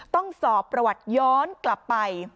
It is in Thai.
ต้องสอบประวัติย้อนกลับไป